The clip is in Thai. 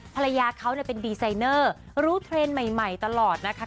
ภรรยาเขาเป็นดีไซเนอร์รู้เทรนด์ใหม่ตลอดนะคะ